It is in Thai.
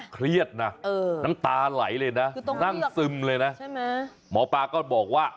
เครียดนะน้ำตาไหลเลยนะนั่งซึมเลยนะใช่ไหมหมอปลาก็บอกว่า